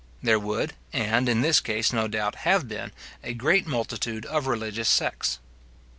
There would, and, in this case, no doubt, have been, a great multitude of religious sects.